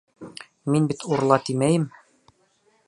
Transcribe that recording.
— Мин бит «урла» тимәйем.